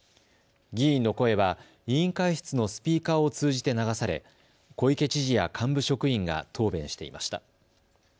議員の声は委員会室のスピーカーを通じて流され小池知事や幹部職員が答弁していました。